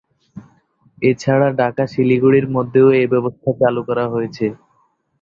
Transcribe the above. এছাড়া ঢাকা-শিলিগুড়ির মধ্যেও এ ব্যবস্থা চালু করা হয়েছে।